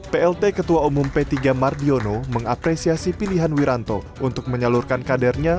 plt ketua umum p tiga mardiono mengapresiasi pilihan wiranto untuk menyalurkan kadernya